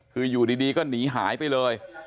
คืออยู่ดีก็หนีหายไปเลย